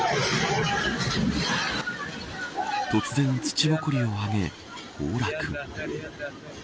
突然、土ぼこりをあげ崩落。